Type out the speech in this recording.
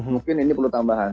mungkin ini perlu tambahan